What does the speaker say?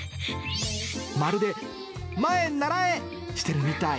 まるで、前へならえしてるみたい。